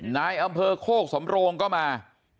นายอำเภอโคกสำโรงก็มา